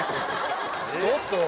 ちょっと！